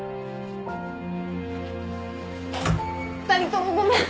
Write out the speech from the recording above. ２人ともごめん。